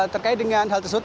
terkait dengan hal tersebut